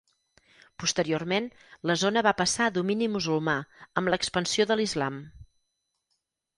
Posteriorment la zona va passar a domini musulmà amb l'expansió de l'Islam.